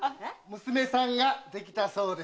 娘さんができたそうで。